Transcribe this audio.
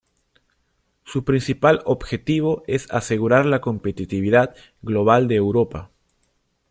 Su principal objetivo es asegurar la competitividad global de Europa.